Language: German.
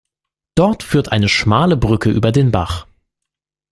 Dort führt eine schmale Brücke über den Bach.